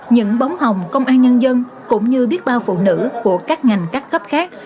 những bóng hồng công an nhân dân cũng như biết bao phụ nữ của các ngành các cấp khác